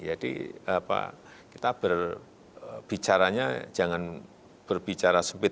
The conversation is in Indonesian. jadi kita berbicaranya jangan berbicara sempit